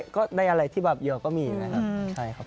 ก็ได้อะไรที่เยอะก็มีนะครับ